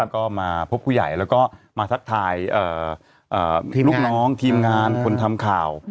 ก็มาพบผู้ใหญ่แล้วก็มาทักทายลูกน้องทีมงานคนทำข่าว